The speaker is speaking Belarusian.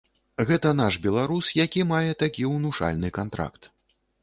Гэта наш беларус, які мае такі ўнушальны кантракт.